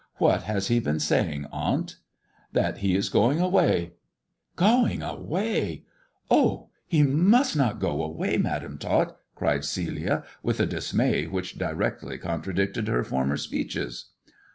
" What has he been saying, aunt 1 "" That he is going away !"" Going away I Oh, he must not go away. Madam To cried Celia, with a dismay which directly contradicted 1 former speeches.